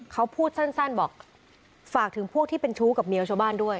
เขาพูดสั้นบอกฝากถึงพวกที่เป็นชู้กับเมียชาวบ้านด้วย